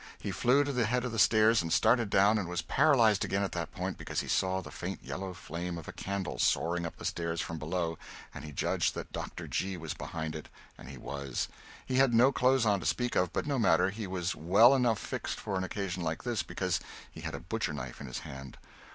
He flew to the head of the stairs and started down, and was paralyzed again at that point, because he saw the faint yellow flame of a candle soaring up the stairs from below and he judged that Dr. G. was behind it, and he was. He had no clothes on to speak of, but no matter, he was well enough fixed for an occasion like this, because he had a butcher knife in his hand.